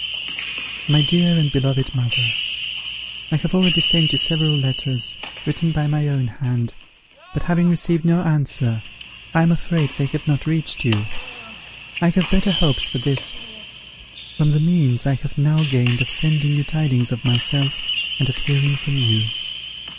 "MY DEAR AND BELOVED MOTHER, "I have already sent you several letters, written by my own hand, but having received no answer, I am afraid they have not reached you. I have better hopes for this, from the means I have now gained of sending you tidings of myself, and of hearing from you.